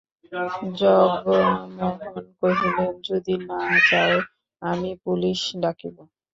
জগমোহন কহিলেন, যদি না যাও আমি পুলিস ডাকিব।